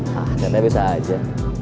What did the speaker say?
nah teteh bisa aja